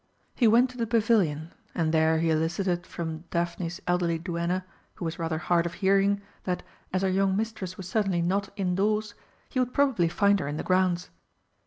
He went to the Pavilion, and there he elicited from Daphne's elderly duenna, who was rather hard of hearing, that, as her young mistress was certainly not indoors, he would probably find her in the grounds.